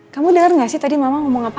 kamu denger ga sih tadi mama ngomong apa